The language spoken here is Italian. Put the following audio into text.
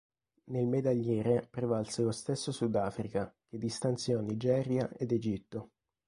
Nel medagliere prevalse lo stesso Sudafrica, che distanziò Nigeria ed Egitto.